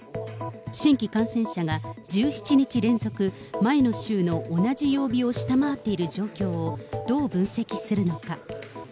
新規感染者が１７日連続、前の週の同じ曜日を下回っている状況をどう分析するのか。